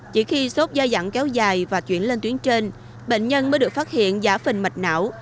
chỉ khi xốt da dặn kéo dài và chuyển lên tuyến trên bệnh nhân mới được phát hiện giả phình mạch não